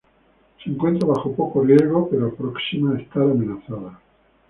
Se encuentra bajo poco riesgo, pero próxima a estar amenazada.